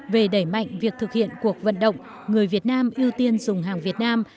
về đẩy mạnh việc thực hiện cuộc vận động người việt nam ưu tiên dùng hàng việt nam